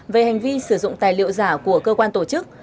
về hành vi sử dụng tài liệu giả của cơ quan tổ chức